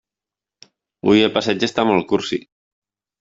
Hui el passeig està molt cursi.